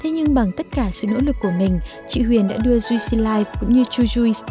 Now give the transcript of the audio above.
nhưng bằng tất cả sự nỗ lực của mình chị huyền đã đưa juicy life cũng như chujuice